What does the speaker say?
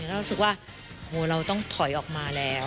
เรารู้สึกว่าโหเราต้องถอยออกมาแล้ว